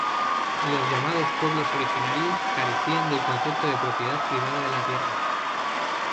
Los llamados pueblos originarios carecían del concepto de propiedad privada de la tierra.